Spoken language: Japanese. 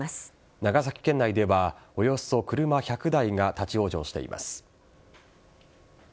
長崎県内ではおよそ車１００台が立ち往生しています。